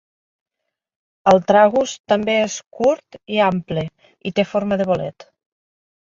El tragus també és curt i ample i té forma de bolet.